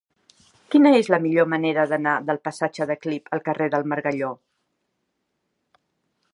Quina és la millor manera d'anar del passatge de Clip al carrer del Margalló?